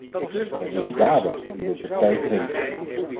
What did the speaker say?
Wij willen daden, omdat de tijd dringt.